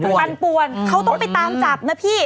เขาต้องไปตามจับนะพี่